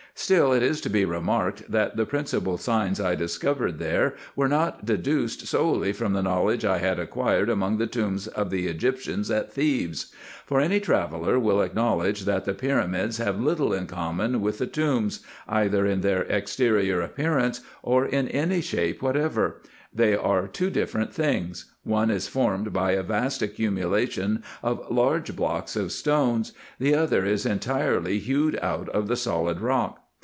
Still it is to be remarked, that the principal signs I discovered there were not deduced solely from the knowledge I had acquired among the tombs of the Egyptians at Thebes ; for any traveller will ac knowledge, that the pyramids have little in common with the tombs, either in their exterior appearance, or in any shape whatever: — they are two different things, — one is formed by a vast accumula tion of large blocks of stones ;— the other is entirely hewed out of the solid rock.